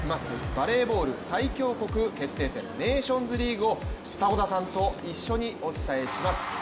バレーボール最強国決定戦、ネーションズリーグを迫田さんと一緒にお伝えします。